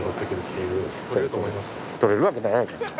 取れるわけないやろ。